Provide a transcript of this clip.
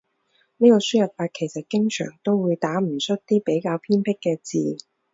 呢個輸入法其實經常都會打唔出啲比較偏僻嘅字